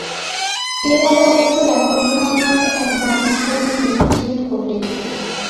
এর আগে অবশ্য রেকর্ড ভাঙা গড়ার এক দারুণ খেলায় মেতে উঠেছিলেন কোহলি।